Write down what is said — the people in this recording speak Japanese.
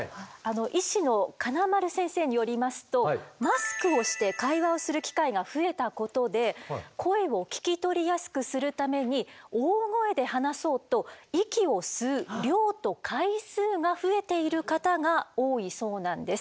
医師の金丸先生によりますとマスクをして会話をする機会が増えたことで声を聞き取りやすくするために大声で話そうと息を吸う量と回数が増えている方が多いそうなんです。